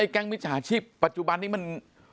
แก๊งมิจสาธิบายปัจจุบันนี้มัน